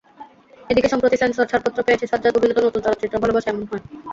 এদিকে সম্প্রতি সেন্সর ছাড়পত্র পেয়েছে সাজ্জাদ অভিনীত নতুন চলচ্চিত্র ভালোবাসা এমন হয়।